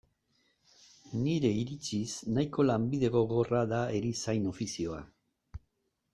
Nire iritziz, nahiko lanbide gogorra da erizain ofizioa.